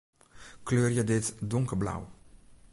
Kleurje dit donkerblau.